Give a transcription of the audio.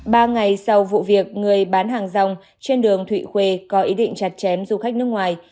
ba ngày sau vụ việc người bán hàng rong trên đường thụy khuê có ý định chặt chém du khách nước ngoài